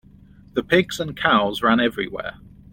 The pigs and cows ran everywhere.